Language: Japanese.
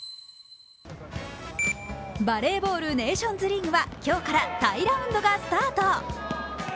バレーボールネーションズリーグは今日からタイラウンドがスタート。